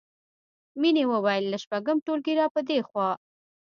مینې وویل له شپږم ټولګي راپدېخوا